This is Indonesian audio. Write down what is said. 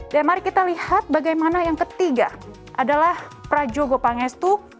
dan mari kita lihat bagaimana yang ketiga adalah prajogopangestu